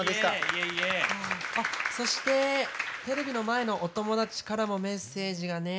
そしてテレビの前のお友達からもメッセージがね